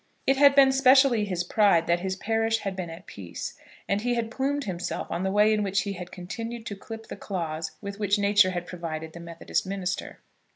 It had been specially his pride that his parish had been at peace, and he had plumed himself on the way in which he had continued to clip the claws with which nature had provided the Methodist minister.